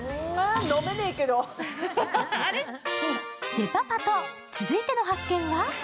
デパパト、続いての発見は？